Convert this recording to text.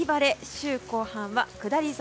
週後半は下り坂。